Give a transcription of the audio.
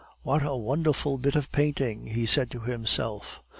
"What a wonderful bit of painting!" he said to himself.